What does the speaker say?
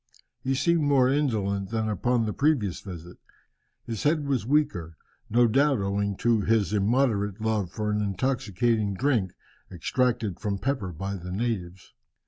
He seemed more indolent than upon the previous visit. His head was weaker, no doubt owing to his immoderate love for an intoxicating drink extracted from pepper by the natives.